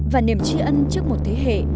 và niềm tri ân trước một thế hệ